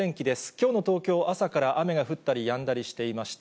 きょうの東京、朝から雨が降ったりやんだりしていました。